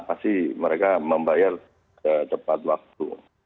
pasti mereka membayar tepat waktu